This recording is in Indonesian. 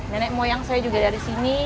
nenek moyang saya juga dari sini